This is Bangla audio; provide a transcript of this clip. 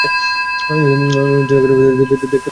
এটার পেছনে একটা লম্বা রেখা দেখতে পাচ্ছেন।